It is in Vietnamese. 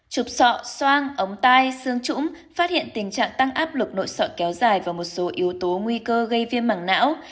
chụp sọ soang ống tai xương trũng phát hiện tình trạng tăng áp lực nội sọ kéo dài và một số yếu tố nguy cơ gây viêm mảng não